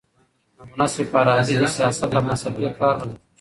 ابو نصر فارابي د سیاست او فلسفې پلار بلل کيږي.